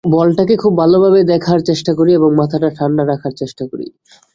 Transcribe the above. বলটাকে খুব ভালোভাবে দেখার চেষ্টা করি এবং মাথাটা ঠান্ডা রাখার চেষ্টা করি।